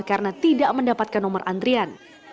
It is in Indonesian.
karena tidak mendapatkan nomor antrian